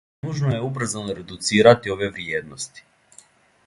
Нужно је убрзано редуцирати ове вриједности.